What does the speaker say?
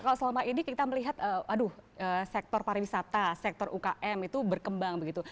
kalau selama ini kita melihat aduh sektor pariwisata sektor ukm itu berkembang begitu